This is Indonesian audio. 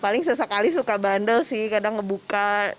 paling sesekali suka bandel sih kadang ngebuka